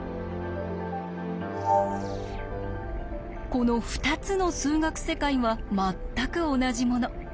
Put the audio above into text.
この２つの数学世界は全く同じもの。